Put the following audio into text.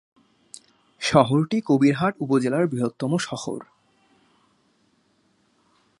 শহরটি কবিরহাট উপজেলার বৃহত্তম শহর।